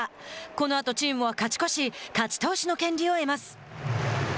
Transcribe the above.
このあとチームは勝ち越し勝ち投手の権利を得ます。